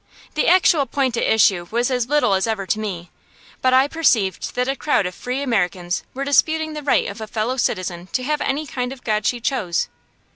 The actual point at issue was as little as ever to me, but I perceived that a crowd of Free Americans were disputing the right of a Fellow Citizen to have any kind of God she chose.